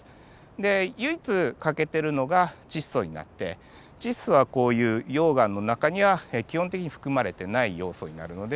で唯一欠けてるのが窒素になって窒素はこういう溶岩の中には基本的に含まれてない要素になるので。